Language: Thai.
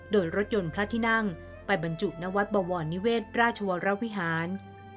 โดยรถยนต์พระที่นั่งไปบรรจุณวัดบวรนิเวศราชวรวิหาร